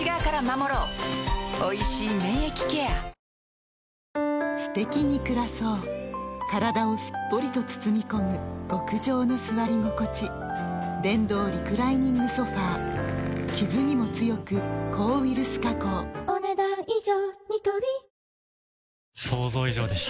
おいしい免疫ケアすてきに暮らそう体をすっぽりと包み込む極上の座り心地電動リクライニングソファ傷にも強く抗ウイルス加工お、ねだん以上。